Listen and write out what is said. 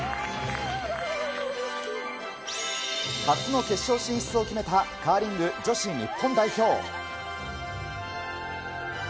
初の決勝進出を決めたカーリング女子日本代表。